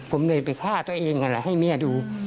ผมเลยไปฆ่าตัวเองอะไรให้เมียดู